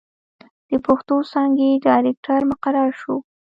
َد پښتو څانګې ډائرکټر مقرر شو